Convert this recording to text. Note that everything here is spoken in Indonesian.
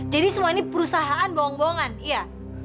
jadi semua ini perusahaan bohong bohongan iya